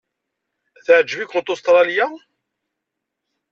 Teɛjeb-ikent Ustṛalya?